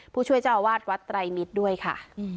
ผู้ช่วยเจ้าอาวาสวัดไตรมิตรด้วยค่ะ